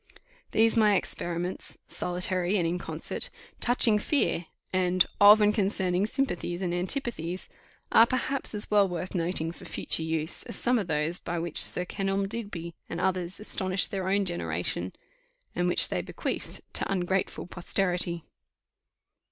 These, my experiments, solitary and in concert, touching fear, and of and concerning sympathies and antipathies, are perhaps as well worth noting for future use, as some of those by which Sir Kenelm Digby and others astonished their own generation, and which they bequeathed to ungrateful posterity.